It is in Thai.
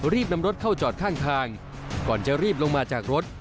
รีบนำรถเข้าจอดข้างทางก่อนจะรีบลงมาจากรถ